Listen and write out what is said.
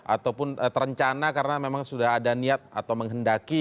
ataupun terencana karena memang sudah ada niat atau menghendaki